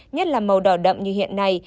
nhất là màu đỏ đậm như hiện nay